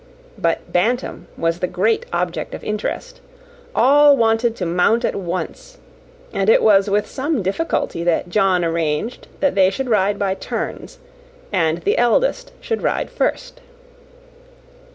But Bantam was the great object of interest; all wanted to mount at once; and it was with some difficulty that John arranged that they should ride by turns, and the eldest should ride first.